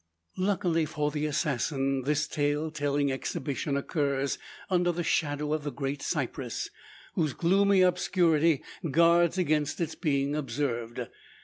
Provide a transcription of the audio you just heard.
Luckily for the assassin this tale telling exhibition occurs under the shadow of the great cypress, whose gloomy obscurity guards against its being observed.